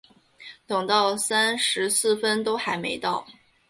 等到三十四分都还没到